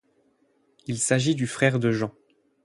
Il s'agit du frère de Jean.